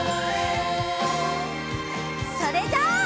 それじゃあ。